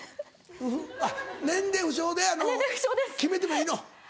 年齢不詳で決めてもいいの？